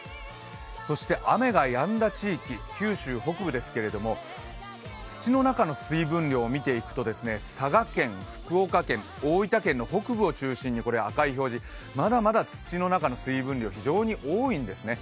そして雨がやんだ地域、九州北部ですけれども土の中の水分量を見ていくと佐賀県、福岡県、大分県の北部を中心に赤い表示、まだまだ土の中の水分量、非常に多いんですね。